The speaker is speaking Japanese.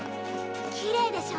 きれいでしょ？